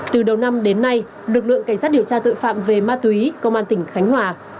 từ đầu năm đến nay lực lượng cảnh sát điều tra tội phạm về ma túy công an tỉnh khánh hòa